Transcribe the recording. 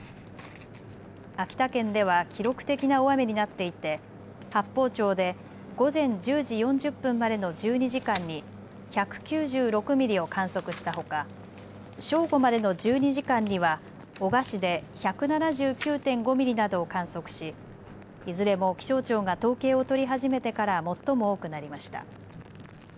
秋田県では記録的な大雨になっていて八峰町で午前１０時４０分までの１２時間に１９６ミリを観測したほか正午までの１２時間には男鹿市で１７９．５ミリなどを観測しいずれも気象庁が統計を取り始めてから最も多くなりました。